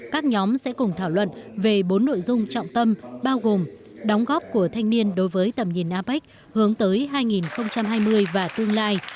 các nhóm sẽ cùng thảo luận về bốn nội dung trọng tâm bao gồm đóng góp của thanh niên đối với tầm nhìn apec hướng tới hai nghìn hai mươi và tương lai